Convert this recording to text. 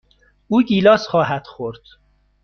او گیلاس خواهد خورد.